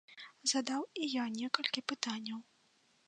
Задаў і я некалькі пытанняў.